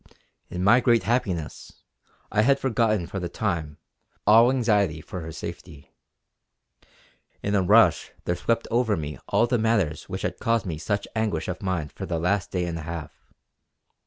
In my great happiness I had forgotten for the time all anxiety for her safety. In a rush there swept over me all the matters which had caused me such anguish of mind for the last day and a half.